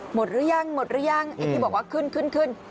หมดหรือยังหมดหรือยังพี่บอกว่าขึ้นขึ้นขึ้น